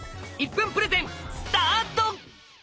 １分プレゼンスタート！